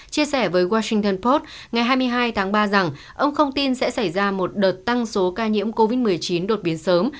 chia sẻ với washington post ngày hai mươi hai tháng ba rằng ông không tin sẽ xảy ra một đợt tăng số ca nhiễm covid một mươi chín đột biến sớm